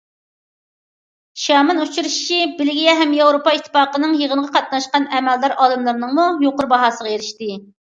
شيامېن ئۇچرىشىشى بېلگىيە ھەم ياۋروپا ئىتتىپاقىنىڭ يىغىنغا قاتناشقان ئەمەلدار، ئالىملىرىنىڭمۇ يۇقىرى باھاسىغا ئېرىشتى.